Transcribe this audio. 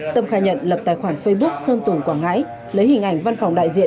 tâm khai nhận lập tài khoản facebook sơn tùng quảng ngãi lấy hình ảnh văn phòng đại diện